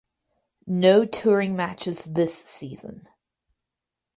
No touring matches this season.